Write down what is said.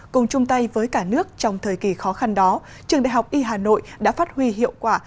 cùng chung tay với cả nước trong thời kỳ khó khăn đó trường đại học y hà nội đã phát huy hiệu quả